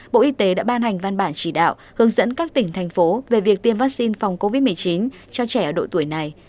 bộ y tế đã ban hành văn bản chỉ đạo hướng dẫn các tỉnh thành phố về việc tiêm vaccine phòng covid một mươi chín cho trẻ ở độ tuổi này